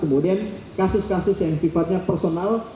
kemudian kasus kasus yang sifatnya personal